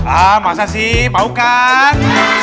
ah masa sih mau kan